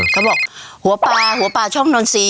เขาบอกหัวปลาหัวปลาช่องนนทรีย์